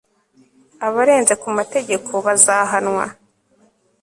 Abarenze ku mategeko bazahanwa